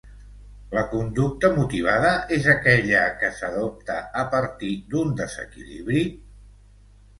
La conducta motivada és aquella que s'adopta a partir d'un desequilibri?